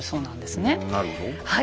はい。